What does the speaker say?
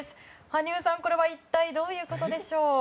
羽生さん、これは一体どういうことでしょう？